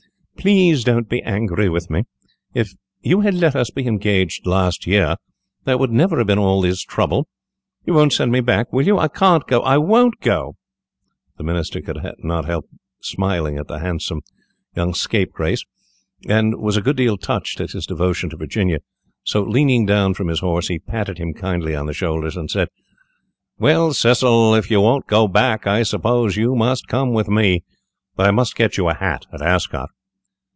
Please don't be angry with me; if you had let us be engaged last year, there would never have been all this trouble. You won't send me back, will you? I can't go! I won't go!" [Illustration: "HE HEARD SOMEBODY GALLOPING AFTER HIM"] The Minister could not help smiling at the handsome young scapegrace, and was a good deal touched at his devotion to Virginia, so leaning down from his horse, he patted him kindly on the shoulders, and said, "Well, Cecil, if you won't go back, I suppose you must come with me, but I must get you a hat at Ascot."